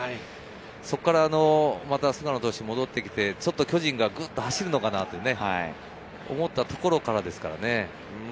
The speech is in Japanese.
そこから菅野投手、戻ってきてちょっと巨人が走るのかなと思ったところからですからね。